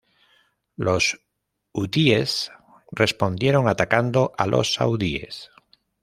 Los hutíes respondieron atacando a los saudíes.